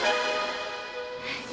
sudah bisa diketahui